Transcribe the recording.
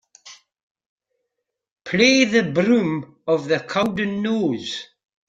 Play the Broom Of The Cowdenknowes.